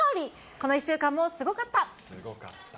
この１週間もすごかった。